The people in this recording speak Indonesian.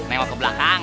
nengok ke belakang